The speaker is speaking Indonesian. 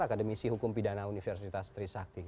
akademisi hukum pidana universitas trisakti